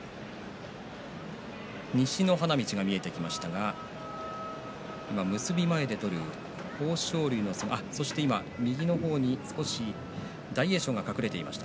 西の花道が見えてきましたが結び前で取る豊昇龍の姿そして後ろに大栄翔が隠れていました。